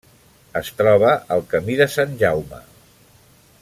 Es troba al camí de Sant Jaume.